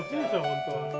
本当は。